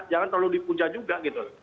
jangan terlalu dipuja juga gitu loh